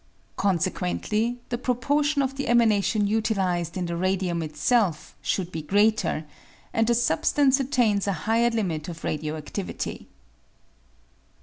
Consequently, the proportion of the emanation utilised in the radium itself should be greater, and the substance attains a higher limit of radio adlivity.